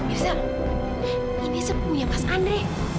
irzan ini sepunya mas andre